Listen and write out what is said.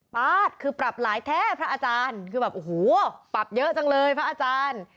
๊าดคือปรับหลายแท้พระอาจารย์คือแบบโอ้โหปรับเยอะจังเลยพระอาจารย์